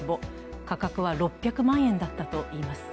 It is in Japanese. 価格は６００万円だったといいます。